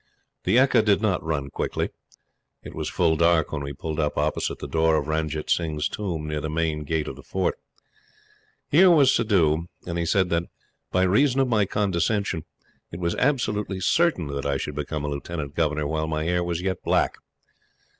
The ekka did not run quickly. It was full dark when we pulled up opposite the door of Ranjit Singh's Tomb near the main gate of the Fort. Here was Suddhoo and he said that, by reason of my condescension, it was absolutely certain that I should become a Lieutenant Governor while my hair was yet black.